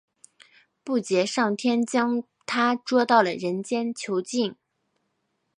布杰上天将它捉到人间囚禁。